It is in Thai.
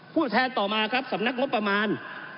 ผู้แทนต่อมาครับสำนักงบประมาณ